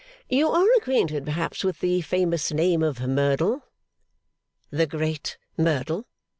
You are acquainted, perhaps, with the famous name of Merdle?' 'The great Merdle!